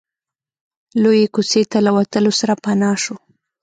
لويې کوڅې ته له وتلو سره پناه شو.